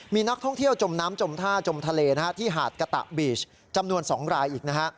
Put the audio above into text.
มีนักท่องเที่ยวจมน้ำจมท่าจมทะเลนะฮะที่หาดกะตะบีชจำนวน๒รายอีกนะฮะ